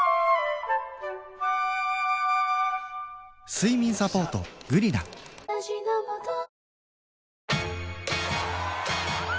睡眠サポート「グリナ」わ！